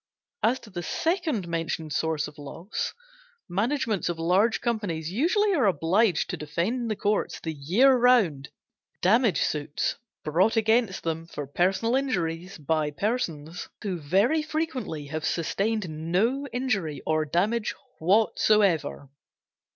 As to the second mentioned source of loss, managements of large companies usually are obliged to defend in the courts the year round, damage suits brought against them for personal injuries by persons who very frequently have sustained no injury or damage whatever.